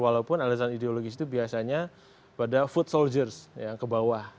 walaupun alasan ideologis itu biasanya pada food soldiers yang ke bawah